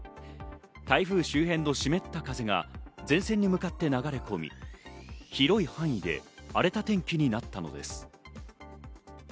台風周辺の湿った風が前線に向かって流れ込み、広い範囲で荒れた天気になったのです。